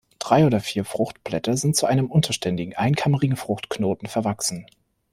Drei oder vier Fruchtblätter sind zu einem unterständigen, einkammerigen Fruchtknoten verwachsen.